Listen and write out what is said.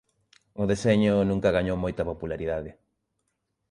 O deseño nunca gañou moita popularidade.